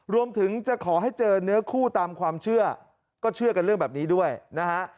รวมถึงจะขอให้เจอเนื้อคู่ตามความเชื่อก็เชื่อกันเรื่องแบบนี้ด้วยนะฮะ